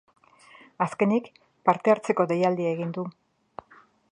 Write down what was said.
Azkenik, parte hartzeko deialdia egin du.